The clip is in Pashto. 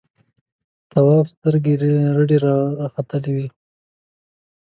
د تواب سترګې رډې راختلې وې.